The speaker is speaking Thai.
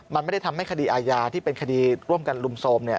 มันไม่ได้ทำให้คดีอาญาที่เป็นคดีร่วมกันลุมโทรม